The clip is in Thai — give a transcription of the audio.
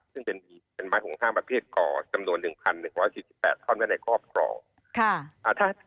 ซึ่งเป็นไม้ห่วงห้ามประเภทก่อจำนวน๑๑๔๘ท่อนไว้ในครอบครอง